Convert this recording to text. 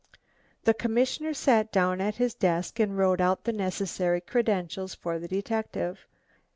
The commissioner sat down at his desk and wrote out the necessary credentials for the detective.